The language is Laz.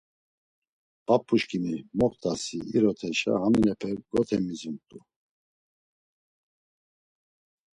P̌ap̌uşǩimi moxt̆asi iroteşa haminepes gotemizumt̆u.